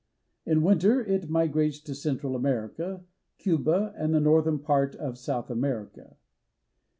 In winter it migrates to Central America, Cuba and the northern part of South America.